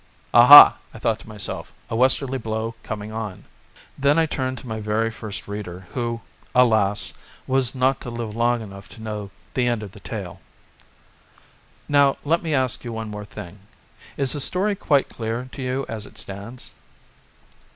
"Aha!" I thought to myself, "a westerly blow coming on." Then I turned to my very first reader who, alas! was not to live long enough to know the end of the tale. "Now let me ask you one more thing: is the story quite clear to you as it stands?"